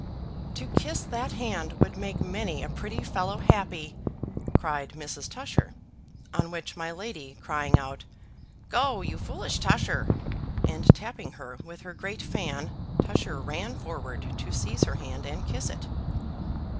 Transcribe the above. "To kiss that hand would make many a pretty fellow happy!" cried Mrs. Tusher: on which my lady crying out, "Go, you foolish Tusher!" and tapping her with her great fan, Tusher ran forward to seize her hand and kiss it.